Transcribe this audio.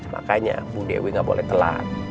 makanya bu dewi gak boleh telat